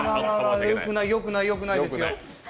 よくないよくないですよ。